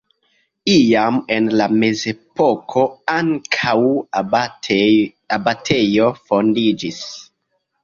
Iam en la mezepoko ankaŭ abatejo fondiĝis.